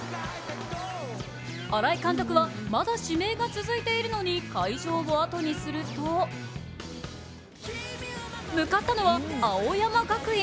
新井監督はまだ指名が続いているのに会場をあとにすると向かったのは青山学院。